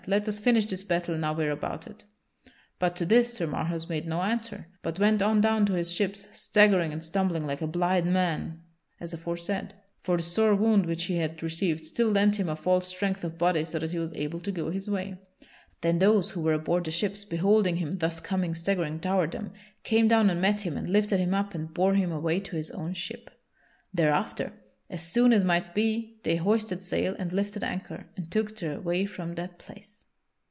Let us finish this battle now we are about it!" But to this Sir Marhaus made no answer, but went on down to his ships, staggering and stumbling like a blind man as aforesaid, for the sore wound which he had received still lent him a false strength of body so that he was able to go his way. Then those who were aboard the ships, beholding him thus coming staggering toward them, came down and met him and lifted him up and bore him away to his own ship. Thereafter, as soon as might be they hoisted sail and lifted anchor and took their way from that place.